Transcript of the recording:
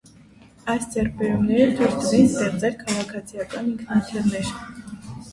Այս ձեռքաբերումները թոյլ տուին ստեղծել քաղաքացիական ինքնաթիռներ։